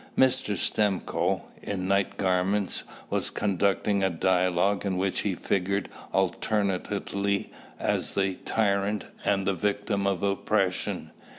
Mr. Stimcoe, in night garments, was conducting a dialogue in which he figured alternately as the tyrant and the victim of oppression.